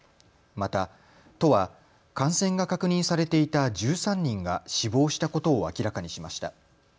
また都は、感染が確認されていた１３人が死亡したことを明らかにしました。